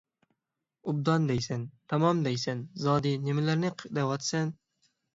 «ئوبدان» دەيسەن، «تامام» دەيسەن، زادى نېمىلەرنى دەۋاتىسەن؟